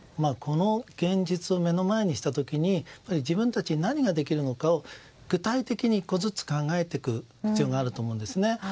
この現実を目の前にした時に自分たちに何ができるのかを具体的に１個ずつ考えていく必要があると思うんです。